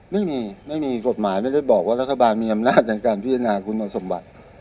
ไม่มีไม่มีกฎหมายไม่ได้บอกว่ารัฐบาลมีอำนาจในการพิจารณาคุณสมบัติ